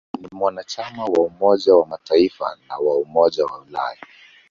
Ni mwanachama wa Umoja wa Mataifa na wa Umoja wa Ulaya.